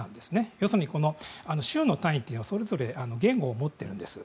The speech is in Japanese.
要するに、州の単位はそれぞれ言語を持っているんです。